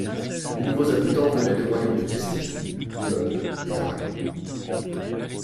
Les nouveaux habitants venaient des royaumes de Castille, León et d'Aragon.